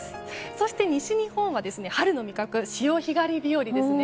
そして西日本は春の味覚、潮干狩り日和ですね。